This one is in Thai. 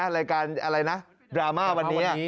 รายการอะไรนะดราม่าวันนี้